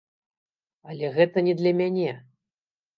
Але гэта не для мяне!